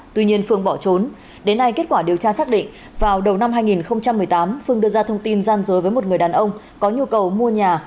tuy nhiên phương bỏ trốn đến nay kết quả điều tra xác định vào đầu năm hai nghìn một mươi tám phương đưa ra thông tin gian dối với một người đàn ông có nhu cầu mua nhà